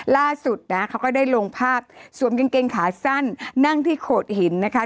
ล่าสุดนะเขาก็ได้ลงภาพสวมกางเกงขาสั้นนั่งที่โขดหินนะคะ